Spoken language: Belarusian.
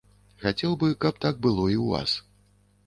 Хацеў бы, каб так было і ў вас.